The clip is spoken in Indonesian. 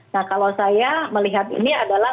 nah kalau saya melihat ini adalah